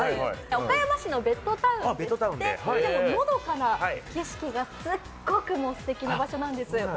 岡山市のベッドタウンでのどかな景色がすごく素敵な場所なんです。